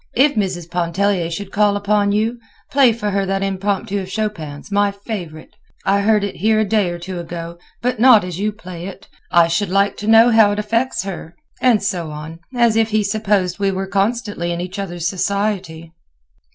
'If Mrs. Pontellier should call upon you, play for her that Impromptu of Chopin's, my favorite. I heard it here a day or two ago, but not as you play it. I should like to know how it affects her,' and so on, as if he supposed we were constantly in each other's society."